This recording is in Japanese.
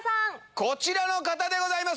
こちらの方でございます。